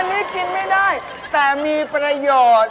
อันนี้กินไม่ได้แต่มีประโยชน์